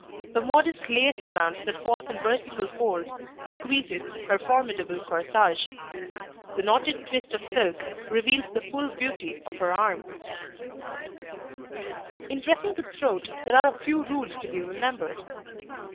The modest lace flounce that falls in vertical folds decreases her formidable corsage. The knotted twist of silk reveals the full beauty of her arm. [Illustration: NO. 69] In dressing the throat there are a few rules to be remembered.